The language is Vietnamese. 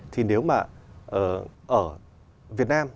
thì nếu mà ở việt nam